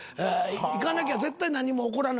行かなきゃ絶対何も起こらないやろ？